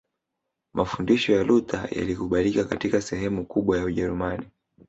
Mafundisho ya Luther yalikubalika katika sehemu kubwa ya Ujerumani